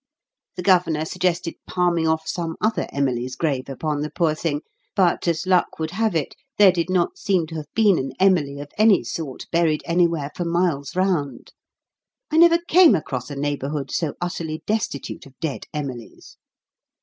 The Governor suggested palming off some other Emily's grave upon the poor thing, but, as luck would have it, there did not seem to have been an Emily of any sort buried anywhere for miles round. I never came across a neighbourhood so utterly destitute of dead Emilies.